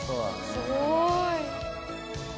すごーい